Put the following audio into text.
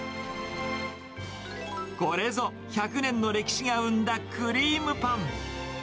これぞ、１００年の歴史が生んだクリームパン。